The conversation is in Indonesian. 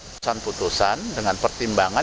ketua muda tata usaha negara ma